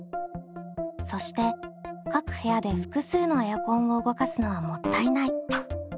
そして各部屋で複数のエアコンを動かすのはもったいない。